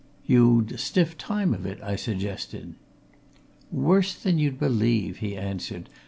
"You'd a stiff time of it?" I suggested. "Worse than you'd believe," he answered.